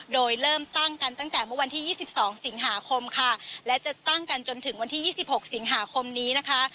โดยเริ่มตั้งกันตั้งแต่เมื่อวันที่๒๒สิงหาคมค่ะและจะตั้งกันจนถึงวันที่๒๖สิงหาคมนี้นะคะ